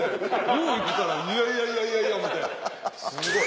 グ行くからいやいやいやいや思うてすごい。